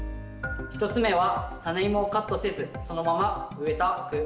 １つ目はタネイモをカットせずそのまま植えた区。